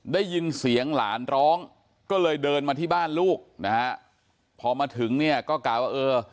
ได้ยินเสียงหลานร้องก็เลยเดินมาที่บ้านลูกนะฮะพอมาถึงเนี่ยก็กล่าวว่าเออ